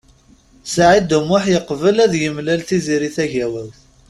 Saɛid U Muḥ yeqbel ad yemlal Tiziri Tagawawt.